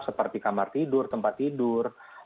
seperti kamar tidur tempat tidur